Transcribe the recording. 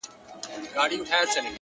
نسه نه وو نېمچه وو ستا د درد په درد!!